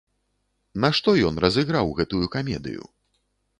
Нашто ён разыграў гэтую камедыю?